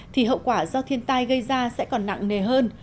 thì hậu quả do thiên tai gây ra sẽ còn nặng nề hơn